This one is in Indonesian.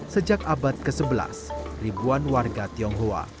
sejak abad ke sebelas ribuan warga tionghoa